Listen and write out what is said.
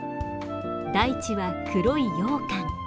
大地は黒いようかん。